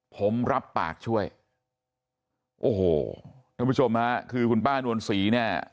ผมรับปากช่วยโอ้โหท่านผู้ชมฮะคือคุณป้านวลศรีเนี่ย